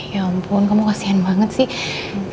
ya ampun kamu kasihan banget sih